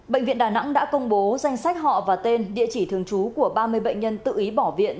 bệnh viện đà nẵng đã công bố danh sách họ và tên địa chỉ thường trú của ba mươi bệnh nhân tự ý bỏ viện